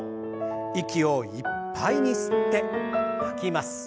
息をいっぱいに吸って吐きます。